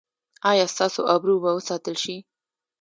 ایا ستاسو ابرو به وساتل شي؟